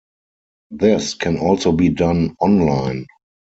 This can also be done online.